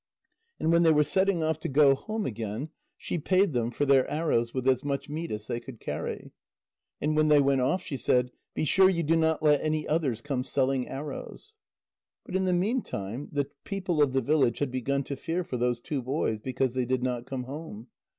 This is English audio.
And when they were setting off to go home again, she paid them for their arrows with as much meat as they could carry; and when they went off, she said: "Be sure you do not let any others come selling arrows." But in the meantime, the people of the village had begun to fear for those two boys, because they did not come home.